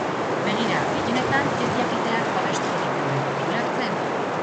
Begira, gehienetan, ez jakiteak babestu egiten gaitu, ulertzen?